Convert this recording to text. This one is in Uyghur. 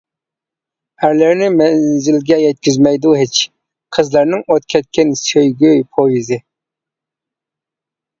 ئەرلەرنى مەنزىلگە يەتكۈزمەيدۇ ھېچ، قىزلارنىڭ ئوت كەتكەن سۆيگۈ پويىزى.